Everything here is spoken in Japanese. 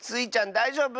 だいじょうぶ？